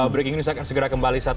breaking news akan segera kembali